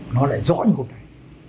nó lại rõ như hôm nay